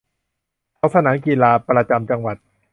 ทั้งสนามกีฬาประจำจังหวัด